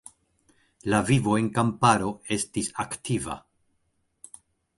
La vivo en kamparo estis aktiva.